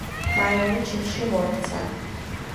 მაიმუნი ჩიხში მოექცა.